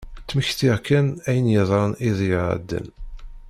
Ttmektiɣ-d kan ayen yeḍran iḍ iɛeddan.